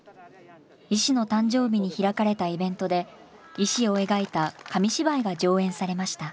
石の誕生日に開かれたイベントで石を描いた紙芝居が上演されました。